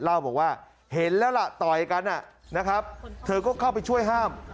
เล่าบอกว่าเห็นแล้วล่ะต่อยกันนะครับเธอก็เข้าไปช่วยห้าม